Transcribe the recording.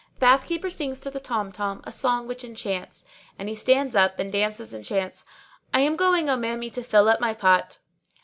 The bath keeper sings to the tom tom[FN#622] a song which enchants; and he stands up and dances and chants, 'I am going, O mammy, to fill up my pot.'